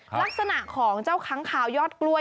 ลักษณะของเจ้าค้างคาวยอดกล้วย